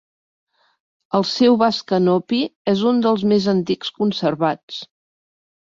El seu vas canopi és un dels més antics conservats.